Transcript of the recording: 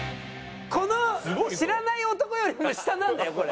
この知らない男よりも下なんだよこれ。